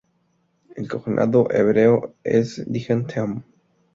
El cognado hebreo es תאום tə'ōm.